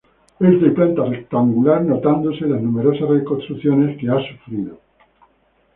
Es de planta rectangular notándose las numerosas reconstrucciones que ha sufrido.